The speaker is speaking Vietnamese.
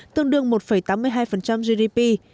tương đương một tám mươi hai gdp